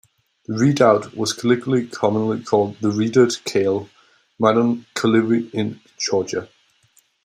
The redoubt was colloquially commonly called the "Redut Kale", modern Kulevi in Georgia.